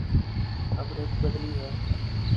اب رت بدلی ہے۔